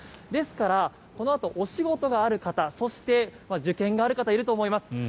ですからこのあとお仕事がある方そして受験がある方いると思います。